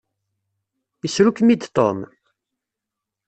Isru-kem-id Tom?